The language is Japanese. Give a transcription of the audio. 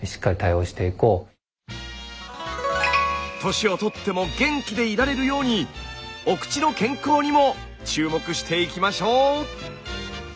年を取っても元気でいられるようにお口の健康にも注目していきましょう！